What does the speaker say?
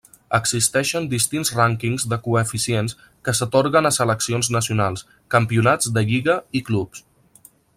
Existeixen distints rànquings de coeficients que s'atorguen a seleccions nacionals, campionats de lliga i clubs.